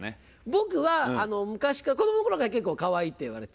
僕は昔から子供の頃から結構かわいいって言われた。